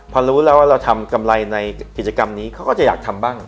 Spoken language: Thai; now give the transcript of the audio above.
พอรู้แล้วว่าเราทำกำไรในกิจกรรมนี้เขาก็จะอยากทำบ้าง